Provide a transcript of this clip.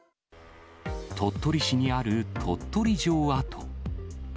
鳥取市にある鳥取城跡。